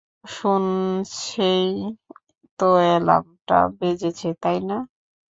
শুনেছই তো এলার্ম টা বেজেছে, তাই না?